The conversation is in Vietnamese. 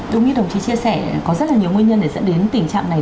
đúng như đồng chí chia sẻ có rất là nhiều nguyên nhân để dẫn đến tình trạng này